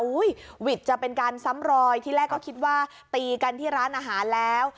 วิทย์จะเป็นการซ้ำรอยที่แรกก็คิดว่าตีกันที่ร้านอาหารแล้ว